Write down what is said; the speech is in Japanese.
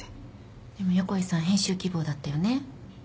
でも横井さん編集希望だったよね。